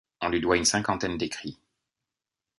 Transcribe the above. On lui doit une cinquantaine d'écrits.